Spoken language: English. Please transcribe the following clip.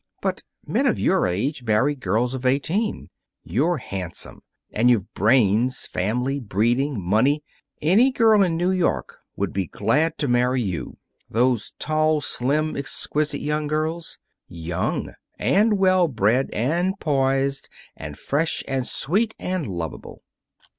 But men of your age marry girls of eighteen. You're handsome. And you've brains, family, breeding, money. Any girl in New York would be glad to marry you those tall, slim, exquisite young girls. Young! And well bred, and poised and fresh and sweet and lovable.